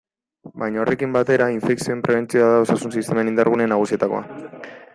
Baina horrekin batera, infekzioen prebentzioa da osasun-sistemen indar-gune nagusietakoa.